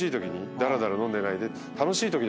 だらだら飲んでないで。